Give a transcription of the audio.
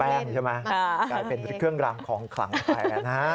แป้งใช่ไหมกลายเป็นเครื่องรามของคลังแผน